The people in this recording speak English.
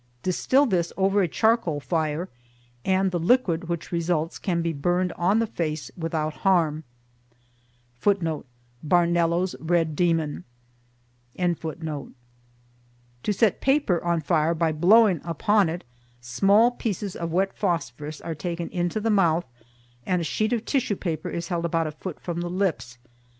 Distill this over a charcoal fire, and the liquid which results can be burned on the face without harm. To set paper on fire by blowing upon it, small pieces of wet phosphorus are taken into the mouth, and a sheet of tissue paper is held about a foot from the lips.